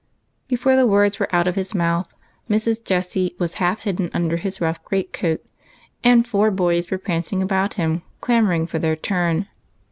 Before the words were out of his mouth, Mrs. Jessie was half hidden under his rough great coat, and four boys were prancing about him clamoring for their turn.